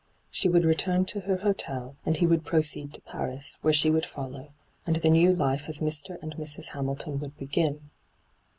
She would retom to her hotel, and he would proceed to Paris, where she would follow, and their new life as Mr. and Mrs. Hamilton would be^n.